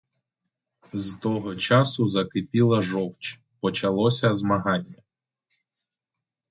З того часу закипіла жовч, почалося змагання.